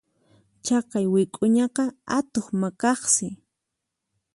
Chaqay wik'uñaqa atuq maqaqsi.